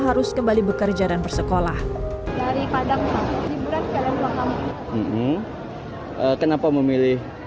harus kembali bekerja dan bersekolah dari padang hiburan kalian mau kenapa memilih